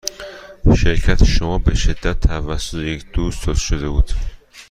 شرکت شما به شدت توسط یک دوست توصیه شده بود.